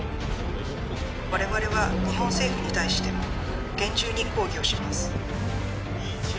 我々は日本政府に対しても厳重に抗議をします